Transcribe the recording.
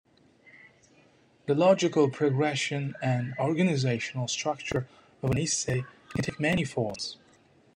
The logical progression and organizational structure of an essay can take many forms.